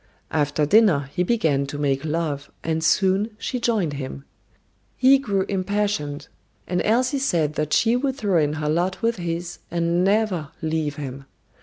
After dinner he began to make love and soon she joined him. He grew impassioned, and Elsie said that she would throw in her lot with his and never leave him.